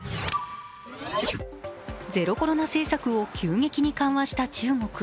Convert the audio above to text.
ゼロコロナ政策を急激に緩和した中国。